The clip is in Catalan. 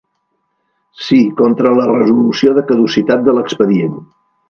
Si, contra la resolució de caducitat de l'expedient.